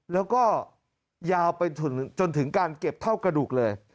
แล้วก็ยาวไปจนถึงการเก็บเท่ากระดูกเลย